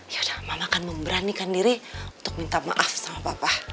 ya dakman akan memberanikan diri untuk minta maaf sama papa